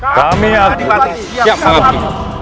kami adik batik siap mengerti